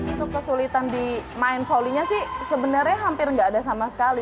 untuk kesulitan di main volinya sih sebenernya hampir gak ada sama sekali